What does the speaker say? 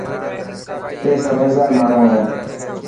اي سمجهدار ماڻهو هي.